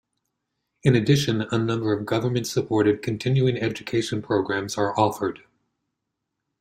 In addition, a number of government-supported continuing education programs are offered.